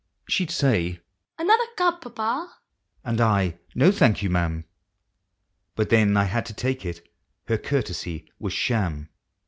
She'd say " Another cup, Papa?" and I, "No, thank you. Ma'am," But then 1 hud to take it — her courtesv was sham.